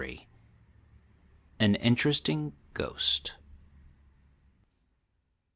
AN INTERESTING GHOST.